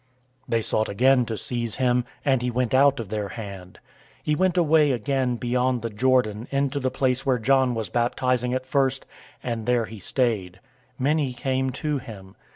010:039 They sought again to seize him, and he went out of their hand. 010:040 He went away again beyond the Jordan into the place where John was baptizing at first, and there he stayed. 010:041 Many came to him.